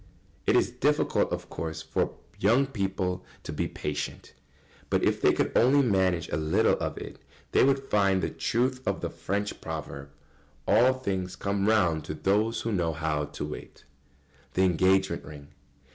It is difficult, of course, for young people to be patient, but if they can only manage a little of it they would find the truth of the French proverb, "All things come round to those who know how to wait." [Sidenote: The engagement ring.